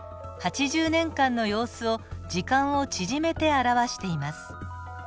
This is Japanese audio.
８０年間の様子を時間を縮めて表しています。